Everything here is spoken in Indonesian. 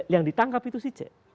yang ditangkap itu si c